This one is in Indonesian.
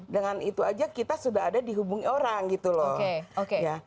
dengan itu aja kita sudah ada dihubungi orang gitu loh